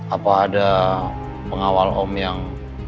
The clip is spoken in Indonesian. apa ada pengawal om yang